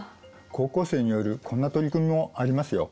高校生によるこんな取り組みもありますよ。